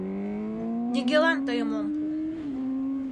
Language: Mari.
Нигӧлан тыйым ом пу!..